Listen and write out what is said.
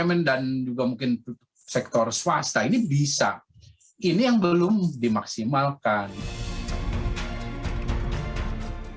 ini bisa ini yang belum dimaksimalkan